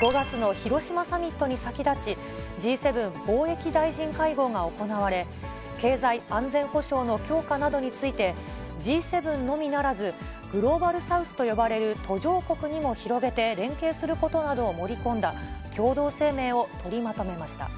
５月の広島サミットに先立ち、Ｇ７貿易大臣会合が行われ、経済安全保障の強化などについて、Ｇ７のみならずグローバルサウスと呼ばれる途上国にも広げて連携することなどを盛り込んだ共同声明を取りまとめました。